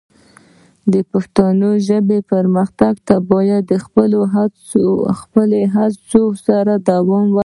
د پښتو ژبې پرمختګ ته باید د خپلو هڅو سره دوام ورکړو.